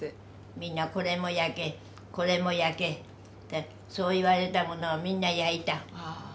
「みんなこれも焼けこれも焼け」ってそう言われたものはみんな焼いた。